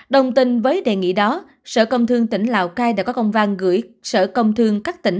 đồng tình với đề nghị đó sở công thương tỉnh lào cai đã có công văn gửi sở công thương các tỉnh